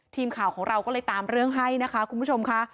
ทีมข่าวของเราก็เลยตามเรื่องให้นะคะคุณผู้ชมค่ะ